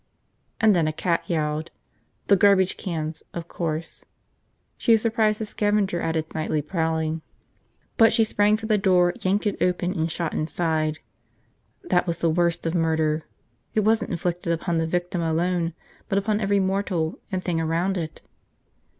And then a cat yowled. The garbage cans, of course. She had surprised the scavenger at its nightly prowling. But she sprang for the door, yanked it open, and shot inside. That was the worst of murder, it wasn't inflicted upon the victim alone but upon every mortal and thing around it.